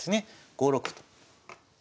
５六歩と。